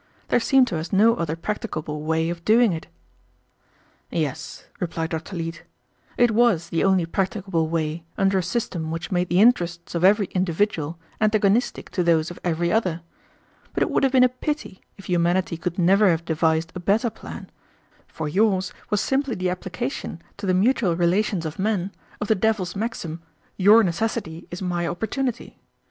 There seemed to us no other practicable way of doing it." "Yes," replied Dr. Leete, "it was the only practicable way under a system which made the interests of every individual antagonistic to those of every other; but it would have been a pity if humanity could never have devised a better plan, for yours was simply the application to the mutual relations of men of the devil's maxim, 'Your necessity is my opportunity.'